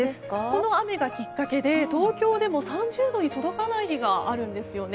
この雨がきっかけで東京でも３０度に届かない日があるんですよね。